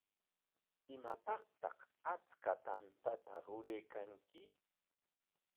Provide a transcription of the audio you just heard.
¿Imapaqtaq achka tantata ruraykanki?